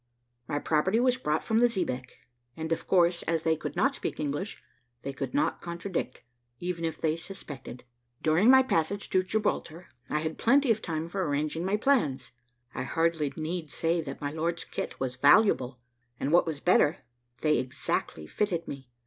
My property was brought from the xebeque; and, of course, as they could not speak English, they could not contradict, even if they suspected. During my passage to Gibraltar, I had plenty of time for arranging my plans. I hardly need say that my lord's kit was valuable; and what was better, they exactly fitted me.